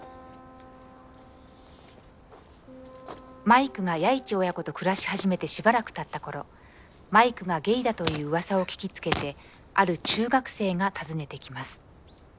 マイクが弥一親子と暮らし始めてしばらくたった頃マイクがゲイだといううわさを聞きつけてある中学生が訪ねてきます。